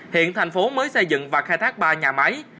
hiện thành phố mới xây dựng và khai thác ba nhà máy